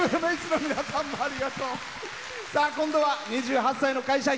今度は２８歳の会社員。